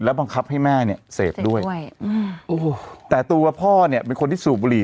บังคับให้แม่เนี่ยเสพด้วยอืมโอ้โหแต่ตัวพ่อเนี่ยเป็นคนที่สูบบุหรี่